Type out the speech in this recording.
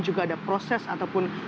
juga ada proses ataupun